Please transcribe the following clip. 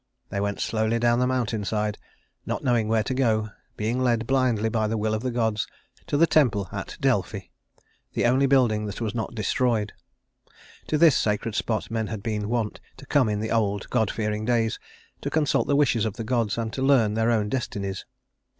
They went slowly down the mountain side, not knowing where to go, being led blindly by the will of the gods to the temple at Delphi the only building that was not destroyed. To this sacred spot men had been wont to come in the old, god fearing days to consult the wishes of the gods and to learn their own destinies.